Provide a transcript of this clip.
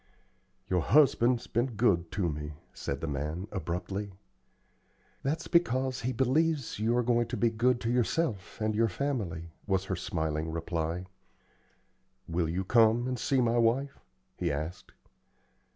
"Your husband's been good to me," said the man, abruptly. "That's because he believes you are going to be good to yourself and your family," was her smiling reply. "Will you come and see my wife?" he asked.